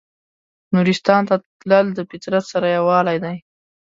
نورستان ته تلل د فطرت سره یووالی دی.